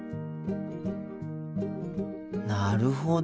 なるほど。